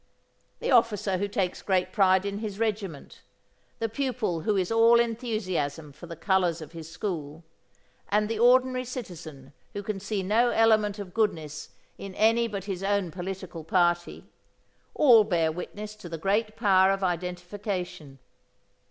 The officer who takes great pride in his regiment, the pupil who is all enthusiasm for the colours of his school, and the ordinary citizen who can see no element of goodness in any but his own political party, all bear witness to the great power of identification.